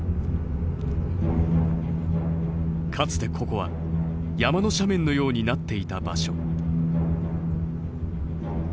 かつてここは山の斜面のようになっていた場所。